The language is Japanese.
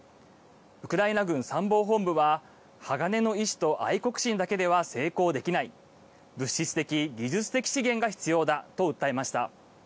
ウクライナ軍参謀本部は鋼の意志と愛国心だけでは成功できない物質的・技術的資源が必要だと訴えました。